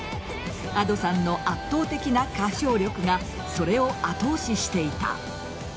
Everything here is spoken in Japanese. Ａｄｏさんの圧倒的な歌唱力がそれを後押ししていた。